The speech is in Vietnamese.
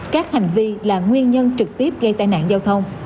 các hành vi là nguyên nhân trực tiếp gây tai nạn giao thông